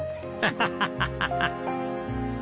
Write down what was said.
ハハハハ。